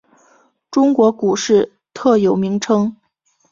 中国股市特有名称。